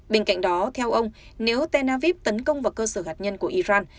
bên cạnh đó theo ông nếu tena vip tấn công vào cơ sở hạt nhân của iran